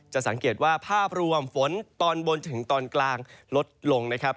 สังเกตว่าภาพรวมฝนตอนบนถึงตอนกลางลดลงนะครับ